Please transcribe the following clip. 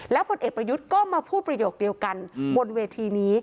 ผลเอกประยุทธ์ก็มาพูดประโยคเดียวกันบนเวทีนี้